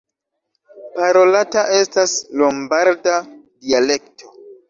Parolata estas lombarda dialekto.